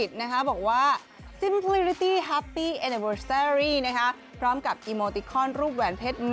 ด้วยน้ำมือด้วย